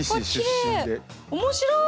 面白い！